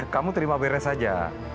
kamu terima beres aja